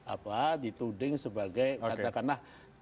apa di tuding sebagai katakanlah